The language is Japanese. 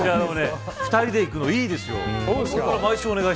２人で行くのいいですよ。